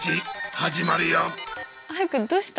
どうした？